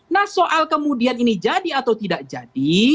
nah soal kemudian ini jadi atau tidak jadi